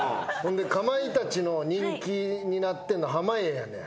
かまいたちの人気になってんの濱家やねん。